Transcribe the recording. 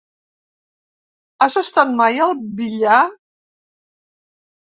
Has estat mai al Villar?